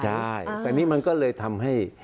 ใช่แต่นี่มันก็เลยทำให้